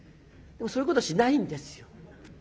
でもそういうことしないんですよ。